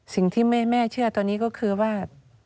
สิ่งที่แม่เชื่อตอนนี้ก็คือว่า